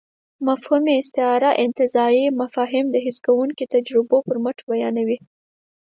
مفهومي استعاره انتزاعي مفاهيم د حس کېدونکو تجربو پر مټ بیانوي.